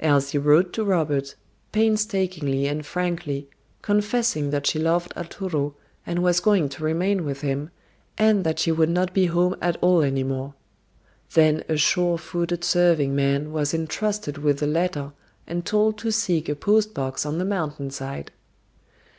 Elsie wrote to Robert, painstakingly and frankly, confessing that she loved Arturo and was going to remain with him and that she would not be home at all any more. Then a sure footed serving man was intrusted with the letter and told to seek a post box on the mountain side.